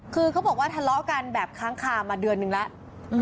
คือเขาบอกว่าทะเลาะกันแบบค้างคามาเดือนนึงแล้ว